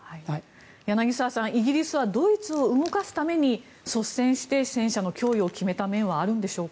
柳澤さん、イギリスはドイツを動かすために率先して戦車の供与を決めた面はあるんでしょうか。